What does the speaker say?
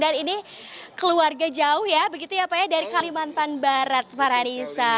ini keluarga jauh ya begitu ya pak ya dari kalimantan barat farhanisa